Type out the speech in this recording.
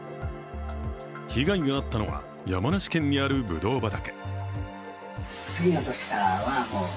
被害があったのは、山梨県にあるぶどう畑。